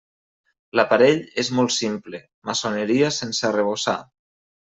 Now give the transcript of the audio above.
L'aparell és molt simple: maçoneria sense arrebossar.